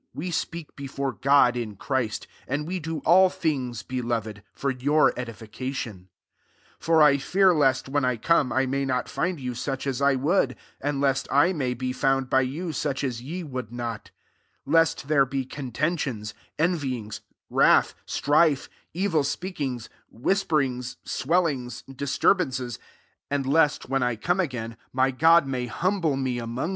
w^ speak before God in Christ : and we do all things, belove4» for yovir edification. 20 For I fear lest, when I come, I may not find you such as I would, and lent I may be found by you such as ye would not : lest there be contentions, envyings, wrath, strife, evil speakings, whisperings, swel lings, disturl](ances:^l ancf lest, when r come again, my Glod may humble me among yoe